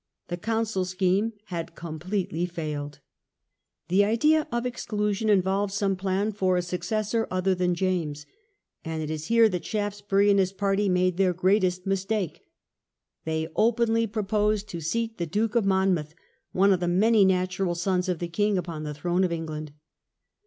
The Council scheme had completely failed. The idea of Exclusion involved some plan for a suc cessor other than James. And it is here that Shaftesbury and his party made their greatest mistake. Monmouth's They openly proposed to seat the Duke of candidature. Monmouth, one of the many natural sons of the king, upon the throne of England.